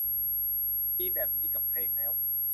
มีแบบนี้กับเพลงแล้ว